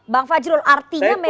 bang fajrul artinya memang